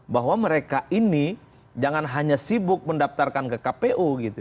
bahwa mereka ini jangan hanya sibuk mendaftarkan ke kpu gitu